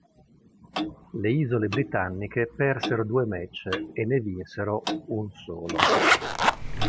Le isole britanniche persero due match e ne vinsero un solo.